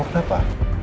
hai kau kenapa